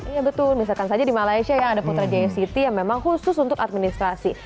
iya betul misalkan saja di malaysia yang ada putra jaya city yang memang khusus untuk administrasi